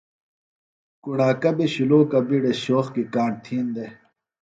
کݨاکہ بیۡ شُلوکہ بیڈہ شوق کی کاݨ تھین دےۡ